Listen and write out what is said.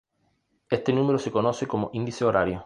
Este número se conoce como índice horario.